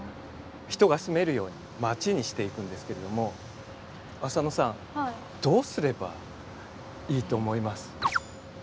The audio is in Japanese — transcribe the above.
人が住めるように町にしていくんですけれども浅野さんどうすればいいと思います？